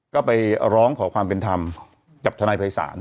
ก็ไปร้องขอความเป็นธรรมกับทนายภัยศาล